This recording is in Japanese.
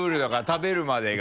食べるまでが。